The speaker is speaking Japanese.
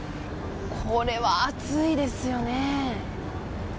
これは暑いですよね。